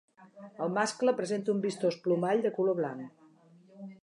El mascle presenta un vistós plomall de color blanc.